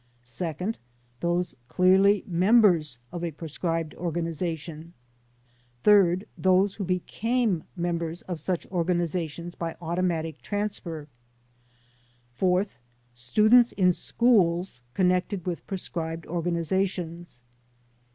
Second: Those clearly members of a proscribed or ganization. Third: Those who became members of such organi zation by automatic transfer. Fourth: Students in schools connected with pro scribed organizations.